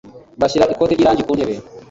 Bashyira ikote ryirangi ku ntebe.